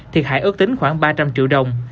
thiệt hại ước tính khoảng ba trăm linh triệu đồng